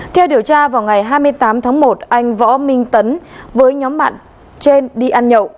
theo điều tra vào ngày hai mươi tám tháng một anh võ minh tấn với nhóm bạn trên đi ăn nhậu